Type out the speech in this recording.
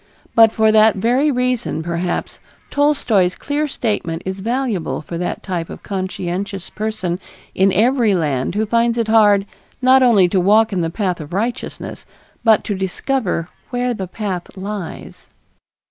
But for that very reason perhaps, Tolstoy's clear statement is valuable for that type of conscientious person in every land who finds it hard, not only to walk in the path of righteousness, but to discover where the path lies.